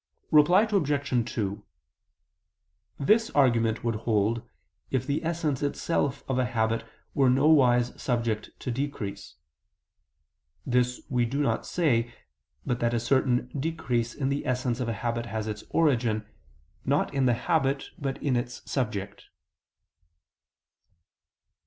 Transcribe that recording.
Reply Obj. 2: This argument would hold, if the essence itself of a habit were nowise subject to decrease. This we do not say; but that a certain decrease in the essence of a habit has its origin, not in the habit, but in its subject.